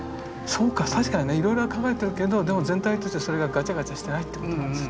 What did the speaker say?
そうか確かにねいろいろ考えてるけどでも全体としてそれがガチャガチャしてないってことなんですね。